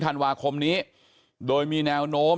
ธันวาคมนี้โดยมีแนวโน้ม